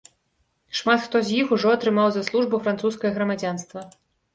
Шмат хто з іх ужо атрымаў за службу французскае грамадзянства.